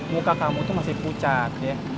muka kamu itu masih pucat ya